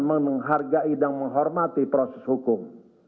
menghargai dan menghormati proses hukum